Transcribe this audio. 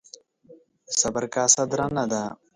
ـ د صبر کاسه درنه ده.